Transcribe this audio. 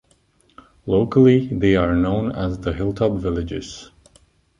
Locally, they are known as the Hilltop Villages'.